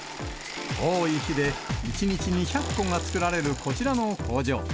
多い日で１日２００個が作られるこちらの工場。